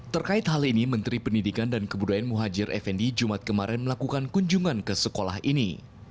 terkait hal ini menteri pendidikan dan kebudayaan muhajir effendi jumat kemarin melakukan kunjungan ke sekolah ini